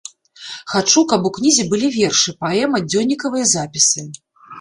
Хачу, каб у кнізе былі вершы, паэма, дзённікавыя запісы.